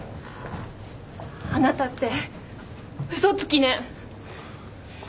あなたってうそつきね。